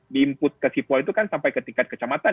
di input ke sipol itu kan sampai ke tingkat kecamatan